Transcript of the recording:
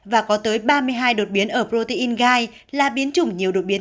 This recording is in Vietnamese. và có tới ba mươi hai đột biến ở protein gai là biến chủng nhiều đột biến